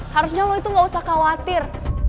harusnya loh itu gak usah khawatir